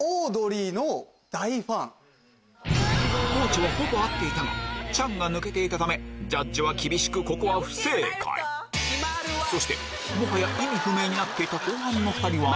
地はほぼ合っていたが「ちゃん」が抜けていたためジャッジは厳しくここは不正解そしてもはや意味不明になっていた後半の２人は？